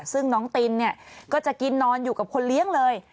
ซึ่งน้องตินเนี่ยก็จะกินนอนอยู่กับคนเลี้ยงเลย